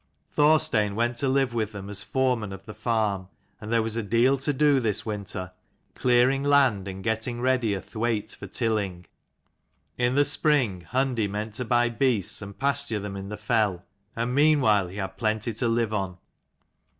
Thorstein went to live with them as foreman of the farm, and there was a deal to do this winter, clearing land and getting ready a 199 thwaite for tilling. In the spring Hundi meant to buy beasts, and pasture them in the fell; and meanwhile he had plenty to live on.